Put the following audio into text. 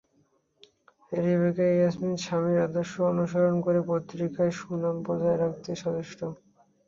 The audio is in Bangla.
রেবেকা ইয়াসমিন স্বামীর আদর্শ অনুসরণ করে পত্রিকার সুনাম বজায় রাখতে সচেষ্ট।